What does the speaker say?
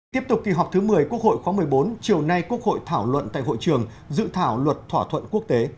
tiếp tục kỳ họp thứ một mươi quốc hội khóa một mươi bốn chiều nay quốc hội thảo luận tại hội trường dự thảo luật thỏa thuận quốc tế